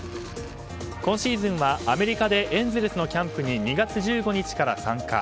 今シーズンはアメリカでエンゼルスのキャンプに２月１５日から参加。